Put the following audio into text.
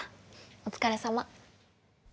お疲れさま。